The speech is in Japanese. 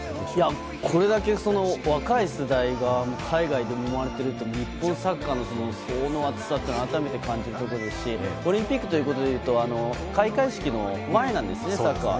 これだけ若い世代が海外で、もまれているって日本サッカーの層の厚さを改めて感じるところですしオリンピックということでいうと開会式の前なんですね、サッカー。